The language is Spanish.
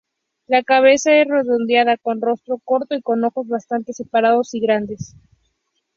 La cabeza es redondeada, con rostro corto y con ojos bastante separados y grandes.